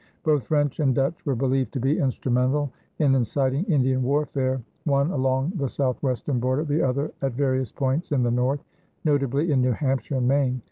Both French and Dutch were believed to be instrumental in inciting Indian warfare, one along the southwestern border, the other at various points in the north, notably in New Hampshire and Maine.